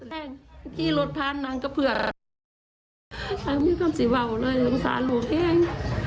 เมื่อกี้รถพานนางกระเผือไม่ได้ความสิว่าวเลยสงสารลูกเอง